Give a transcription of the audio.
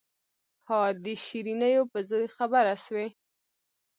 ها د شيرينو په زوى خبره سوې.